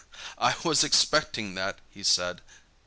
"I was expecting that," he said.